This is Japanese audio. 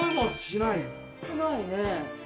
しないね。